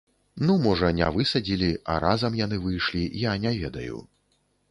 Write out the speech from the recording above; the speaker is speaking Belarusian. Ну можа, не высадзілі, а разам яны выйшлі, я не ведаю.